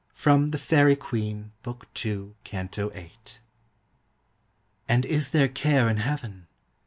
FROM "THE FAËRIE QUEENE," BOOK II. CANTO 8. And is there care in heaven?